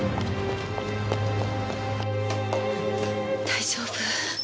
大丈夫？